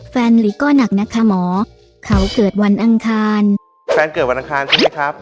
แฟนเกิดวันอังคารใช่ไหมครับ